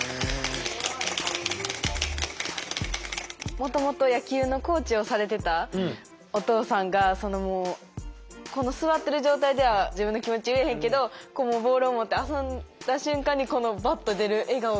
もともと野球のコーチをされてたおとうさんがこの座ってる状態では自分の気持ち言えへんけどボールを持って遊んだ瞬間にこのバッと出る笑顔が。